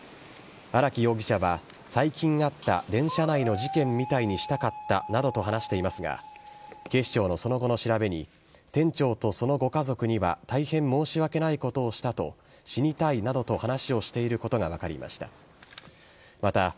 荒木容疑者は最近あった電車内の事件みたいにしたかったなどと話していますが、警視庁のその後の調べに、店長とそのご家族には大変申し訳ないことをしたと、死にたいなどと話していることが分かりました。